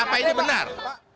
apa ini benar